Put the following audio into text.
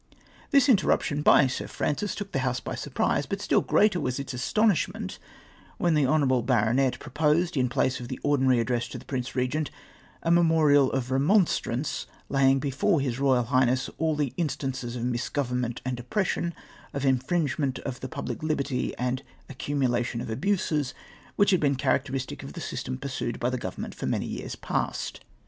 This hiterruption by Su Francis took the House by surprise, but still greater was its astonishment when the lionourable baronet proposed, in place of the ordinary addi'ess to the Prince Eegent, a memorial of remon strance, la}dng before his Eoyal Highness all the in stances of misgovernment and oppression — of infringe ment of the public hberty, and accumulation of abuses, which had been characteristic of the system pursued by Government for many years past.